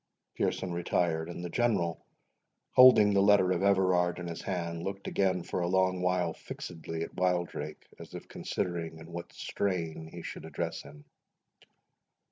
Pearson retired; and the General, holding the letter of Everard in his hand, looked again for a long while fixedly at Wildrake, as if considering in what strain he should address him.